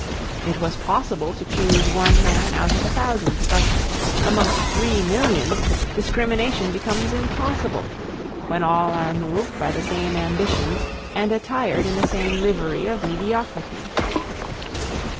It was possible to choose one man out of a thousand, but, amongst three millions, discrimination becomes impossible, when all are moved by the same ambitions and attired in the same livery of mediocrity.